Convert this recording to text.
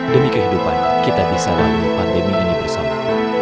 demi kehidupan kita bisa dalam pandemi ini bersama